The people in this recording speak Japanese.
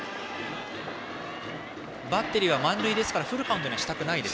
バッテリーは満塁ですからフルカウントにはしたくないです。